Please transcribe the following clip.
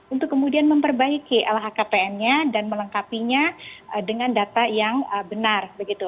untuk kemudian memperbaiki lhkpn nya dan melengkapinya dengan data yang benar